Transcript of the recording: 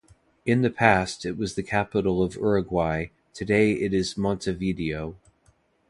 In the past it was the capital of Uruguay, today it is Montevideo.